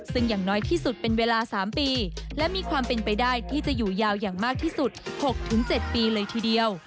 ซึ่งอย่างน้อยที่สุดเป็นเวลา๓ปีและมีความเป็นไปได้ที่จะอยู่ยาวอย่างมากที่สุด๖๗ปีเลยทีเดียว